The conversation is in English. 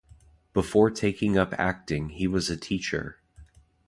Before taking up acting he was a teacher.